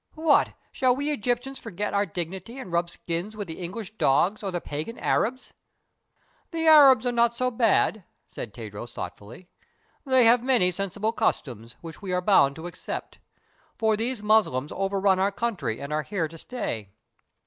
What! shall we Egyptians forget our dignity and rub skins with the English dogs or the pagan Arabs?" "The Arabs are not so bad," said Tadros, thoughtfully. "They have many sensible customs, which we are bound to accept; for these Muslims overrun our country and are here to stay.